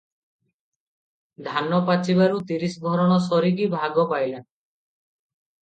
ଧାନ ପାଚିବାରୁ ତିରିଶ ଭରଣ ସରିକି ଭାଗ ପାଇଲା ।